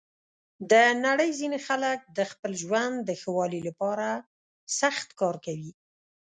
د نړۍ ځینې خلک د خپل ژوند د ښه والي لپاره سخت کار کوي.